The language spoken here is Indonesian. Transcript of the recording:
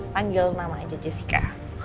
panggil nama aja jessica